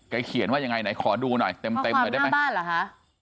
ใครเขียนว่ายังไงไหนขอดูหน่อยเต็มเต็มหน่อยได้ไหมข้อความหน้าบ้านเหรอฮะ